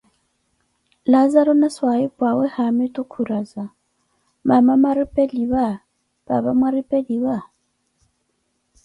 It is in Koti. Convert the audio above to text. Laazaru na swaahipuawe haamitu khuraza: mama mwaripeliwa, paapa mwaripeliwa?